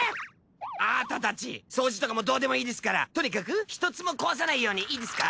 あたたち掃除とかもうどうでもいいですからとにかく一つも壊さないようにいいですか？